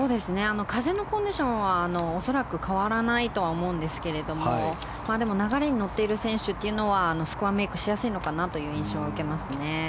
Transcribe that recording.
風のコンディションは恐らく変わらないとは思うんですけど流れに乗っている選手というのはスコアメイクしやすいのかなという印象を受けます。